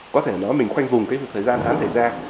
có thể nói mình khoanh vùng cái thời gian án thời gian